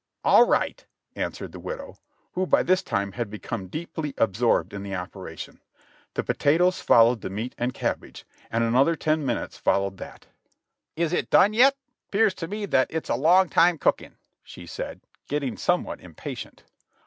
"All right," answered the widow, who by this time had become deeply absorbed in the operation. The potatoes followed the meat and cabbage, and another ten minutes followed that. 286 JOHNNY REB AND BILLY YANK "Isn't it done yet? 'Pears to me that it's a long time cooking." she said, getting somewhat impatient.